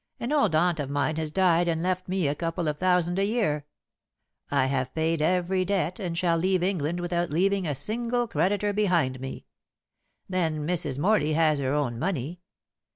An old aunt of mine has died and left me a couple of thousand a year. I have paid every debt, and shall leave England without leaving a single creditor behind me. Then Mrs. Morley has her own money.